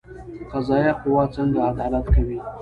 قضایه قوه څنګه عدالت کوي؟